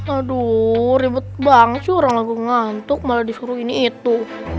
aduh ribet banget sih orang lagu ngantuk malah disuruh ini itu